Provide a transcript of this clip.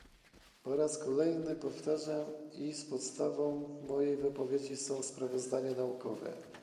Po raz kolejny powtarzam, iż podstawą mojej wypowiedzi są sprawozdania naukowe